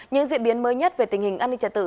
những diễn biến mới nhất về tình hình an ninh trật tự